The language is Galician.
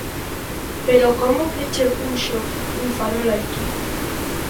Pero como que che puxo un farol aquí?